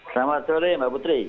selamat sore mbak putri